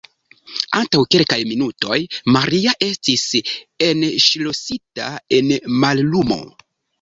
Antaŭ kelkaj minutoj, Maria estis enŝlosita en mallumo.